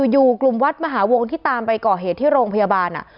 อยู่กลุ่มวัดมหาวงที่ตามไปก่อเหตุที่โรงพยาบาล